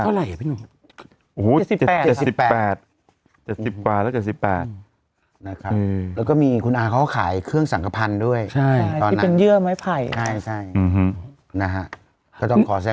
นี่ไงลูลูเขาโวยอยู่นี่ไง